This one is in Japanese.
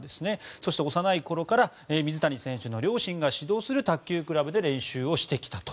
そして幼いころから水谷選手の両親が指導する卓球クラブで練習をしてきたと。